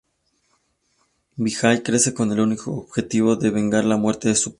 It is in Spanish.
Vijay crece con el único objetivo de vengar la muerte de su padre.